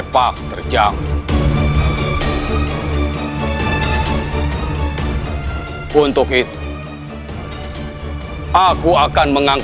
pajajaran harus berhubung